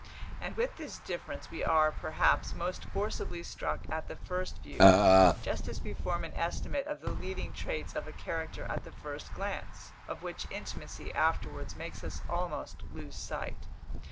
And with this difference we are, perhaps, most forcibly struck at the first view, just as we form an estimate of the leading traits of a character at the first glance, of which intimacy afterwards makes us almost lose sight.